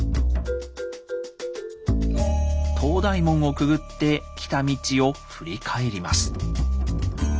東大門をくぐって来た道を振り返ります。